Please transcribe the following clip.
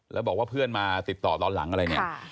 แล้วบอกว่าเพื่อนมาติดต่อตอนหลังอะไรเนี่ย